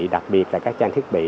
đặc biệt là các trang thiết bị